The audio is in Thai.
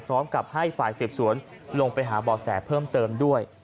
พร้อมกับให้ฝ่ายสืบสวนลงไปหาบ่อแสเพิ่มเติมด้วย